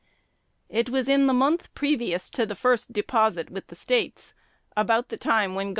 It was in the month previous to the first deposit with the States, about the time when Gov.